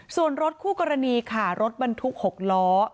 ส่วนรถคู่กรณีค่ะรถบรรทุก๖ล้อ